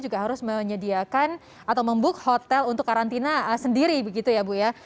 juga harus menyediakan atau membuka hotel untuk karantina sendiri begitu ya bu ya